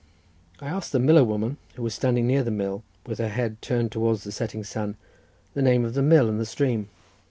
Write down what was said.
I asked the miller woman, who was standing near the mill, with her head turned towards the setting sun, the name of the mill and the stream.